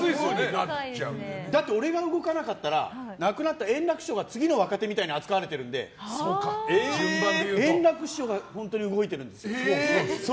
だって俺がいなくなったら円楽師匠が次の若手みたいに扱われてるので円楽師匠が動いてるんです。